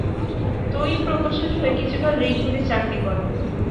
তড়িৎ প্রকৌশলী হয়ে কিছুকাল রেঙ্গুনে চাকরি করেন।